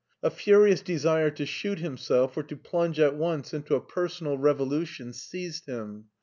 A furious desire to shoot himself or to plunge at once into a personal revolution seized him.